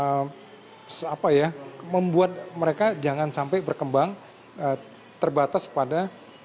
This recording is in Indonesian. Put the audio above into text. dan untuk kemudian membuat katakanlah kita melakukan membuat mereka jangan sampai berkembang terbatas pada